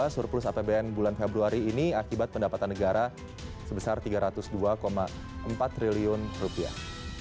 surplus apbn bulan februari ini akibat pendapatan negara sebesar tiga ratus dua empat triliun rupiah